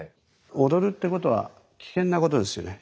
踊るってことは危険なことですよね